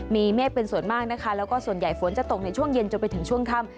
มีเมฆเป็นส่วนมากนะคะแล้วก็ส่วนใหญ่ฝนจะตกในช่วงเย็นจนไปถึงช่วงค่ำ